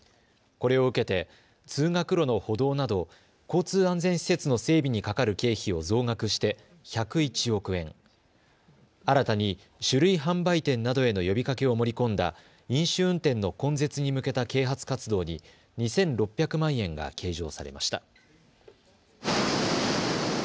これを受けて通学路の歩道など交通安全施設の整備にかかる経費を増額して１０１億円、新たに酒類販売店などへの呼びかけを盛り込んだ飲酒運転の根絶に向けた啓発活動に２６００万円が計上されました。